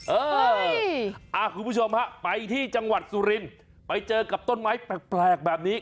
เออคุณผู้ชมฮะไปที่จังหวัดสุรินทร์ไปเจอกับต้นไม้แปลกแบบนี้